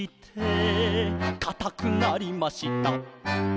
「かたくなりました」